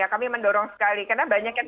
kami mendorong sekali karena banyak yang